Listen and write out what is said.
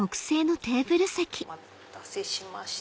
お待たせしました。